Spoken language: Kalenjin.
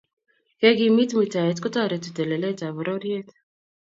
kekimit muitaet kotoreti teleletab bororiet